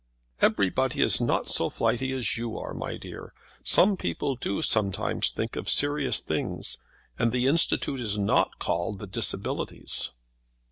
"Everybody is not so flighty as you are, my dear. Some people do sometimes think of serious things. And the Institute is not called the Disabilities."